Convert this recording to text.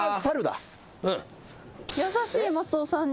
優しい松尾さんに。